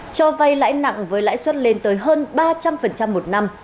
cho vay lãi nặng với lãi suất lên tới hơn ba trăm linh một năm